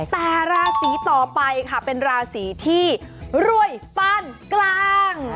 แต่ราศีต่อไปค่ะเป็นราศีที่รวยปานกลาง